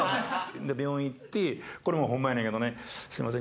病院行ってこれもホンマやねんけどね「すみません